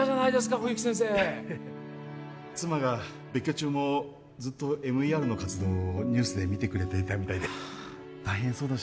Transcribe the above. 冬木先生いや妻が別居中もずっとＭＥＲの活動をニュースで見てくれていたみたいで大変そうだし